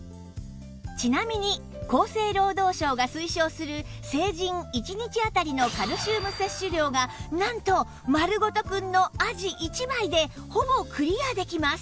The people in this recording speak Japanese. ちなみに厚生労働省が推奨する成人１日当たりのカルシウム摂取量がなんとまるごとくんのあじ１枚でほぼクリアできます